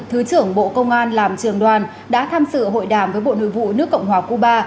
thứ trưởng bộ công an làm trường đoàn đã tham sự hội đàm với bộ nội vụ nước cộng hòa cuba